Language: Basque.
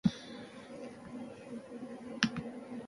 Armairuan zehar bestaldera igaro, eta ahal bezain azkar aldatu nintzen.